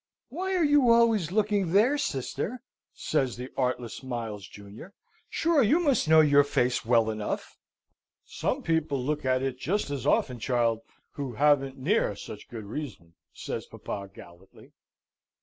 "Why are you always looking there, sister?" says the artless Miles junior. "Sure, you must know your face well enough!" "Some people look at it just as often, child, who haven't near such good reason," says papa, gallantly.